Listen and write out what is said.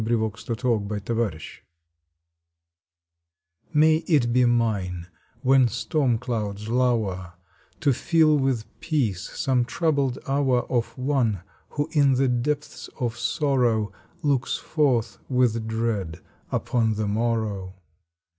April Twenty seventh SOURCES " IX/TAY it be mine, when storm clouds 1V1 lower, To fill with peace some troubled hour Of one who in the depths of sorrow Looks forth with dread upon the morrow.